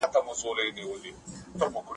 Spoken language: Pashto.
¬ چي نه لري سړي، نه دي کورت خوري، نه غوړي.